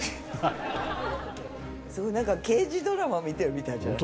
なんか刑事ドラマ見てるみたいじゃない？